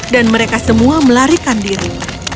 dan mereka semua melarikan diri